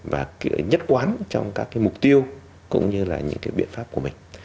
và nhất quán trong các cái mục tiêu cũng như là những cái biện pháp của mình